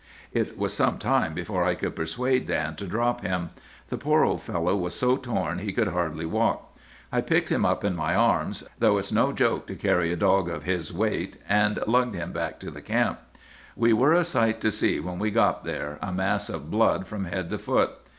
"'It was some time before I could persuade Dan to drop him. The poor old fellow was so torn he could hardly walk. I picked him up in my arms,—though it's no joke to carry a dog of his weight,—and lugged him back to the camp. "'We were a sight to see when we got there, a mass of blood from head to foot.